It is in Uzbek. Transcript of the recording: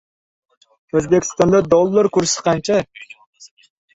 Namangan va Toshkent viloyatlarida qor yog‘di